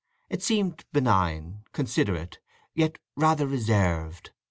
It seemed benign, considerate, yet rather reserved.